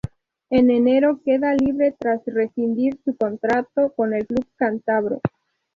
En enero queda libre tras rescindir su contrato con el club cántabro.